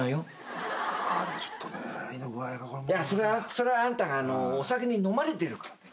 それはあんたがお酒に飲まれてるからだよ。